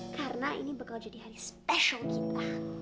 karena ini bakal jadi hari spesial kita